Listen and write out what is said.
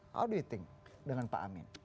how do you think dengan pak amin